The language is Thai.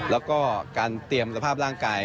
แล้วก็การเตรียมสภาพร่างกาย